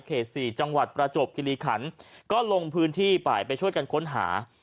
๔จังหวัดประจวบคิริขันก็ลงพื้นที่ไปไปช่วยกันค้นหา